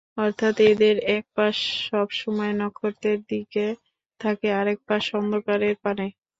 অর্থাৎ, এদের একপাশ সবসময় নক্ষত্রের দিকে থাকে, আরেকপাশ অন্ধকারের পানে।